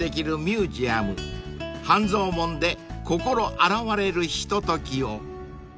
［半蔵門で心洗われるひとときを］